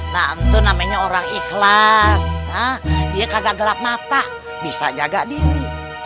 nah itu namanya orang ikhlas dia kagak gelap mata bisa jaga diri